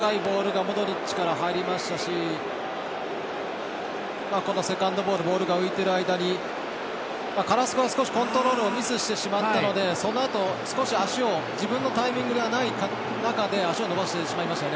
もちろん質の高いボールがモドリッチから入りましたし、セカンドボールボールが浮いている間にカラスコが少しコントロールをミスしてしまったのでそのあと、少し足を自分のタイミングじゃない中で足を伸ばしてしまいましたよね。